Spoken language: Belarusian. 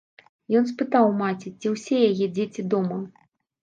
Ён спытаў у маці, ці ўсе яе дзеці дома.